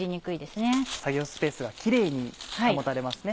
作業スペースがキレイに保たれますね。